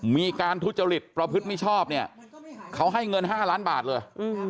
มีการทุจริตประพฤติมิชชอบเนี่ยเขาให้เงิน๕ล้านบาทเลย